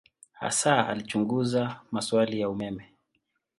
Hasa alichunguza maswali ya umeme.